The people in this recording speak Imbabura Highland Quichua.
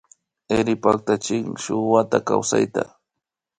Erik paktachin shun wata kawsayta